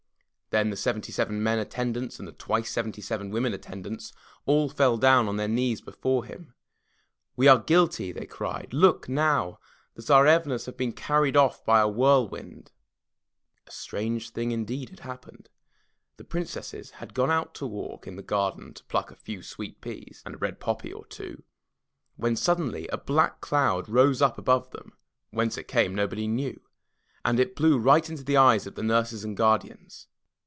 Then the seventy seven men attendants and the twice seventy seven women attendants all fell down on their knees before him. "We are guilty!" they cried. "Look now! the Tsarevnas have been carried off by a whirlwind!" A strange thing indeed had happened. The Princesses had gone out to walk in the garden to pluck a few sweet peas and a red poppy or two, when suddenly a black cloud rose up above them (whence it came nobody knew) and it blew right into the eyes of the nurses and guardians.